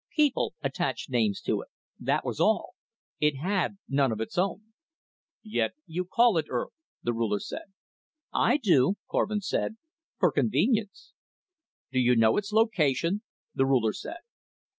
People attached names to it, that was all. It had none of its own. "Yet you call it Earth?" the Ruler said. "I do," Korvin said, "for convenience." "Do you know its location?" the Ruler said.